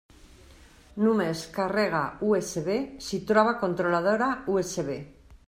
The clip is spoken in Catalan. Només carrega USB si troba controladora USB.